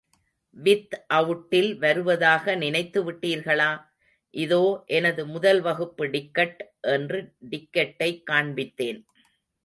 With அவுட்டில் வருவதாக நினைத்துவிட்டீர்களா? இதோ எனது முதல் வகுப்பு டிக்கட் என்று டிக்கெட்டைக் காண்பித்தேன்.